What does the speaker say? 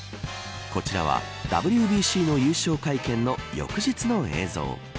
こちらはＷＢＣの優勝会見の翌日の映像。